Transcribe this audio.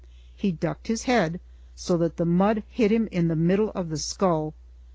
He ducked his head, so that the mud hit him in the middle of the skull.